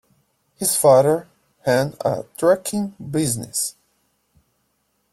His father ran a trucking business.